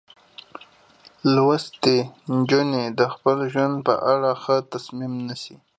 لوستې نجونې د خپل ژوند په اړه ښه تصمیم نیسي.